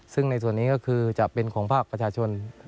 ซึ่งในส่วนนี้ก็คือจะเป็นของภาคประชาชน